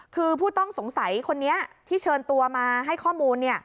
คือผู้ต้องสงสัยคนนี้ที่เชิญตัวมาให้ข้อมูล